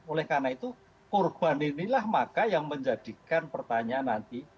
oleh karena itu korban inilah maka yang menjadikan pertanyaan nanti